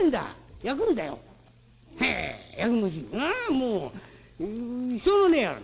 もうしょうがねえ野郎。